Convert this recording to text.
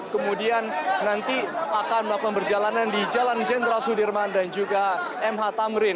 kemudian nanti akan berjalanan di jalan jenderal sudirman dan juga m p a